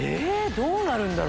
どうなるんだろ。